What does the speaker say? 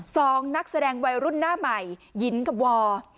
สองนักแสดงวัยรุ่นหน้าใหม่หญิงกับวอร์